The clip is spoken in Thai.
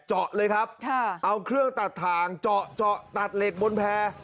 เจาะเลยครับเอาเครื่องตัดทางเจาะเจาะตัดเหล็กบนแพร่